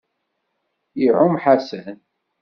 Iɛumm Ḥasan.